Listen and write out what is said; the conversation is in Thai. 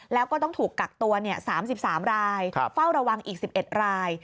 แล้วก็ต้องถูกกักตัว๓๓รายเฝ้าระวังอีก๑๑ราย